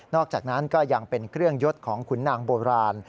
อกจากนั้นก็ยังเป็นเครื่องยดของขุนนางโบราณ